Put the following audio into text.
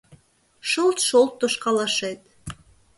Шылт-шолт тошкалашет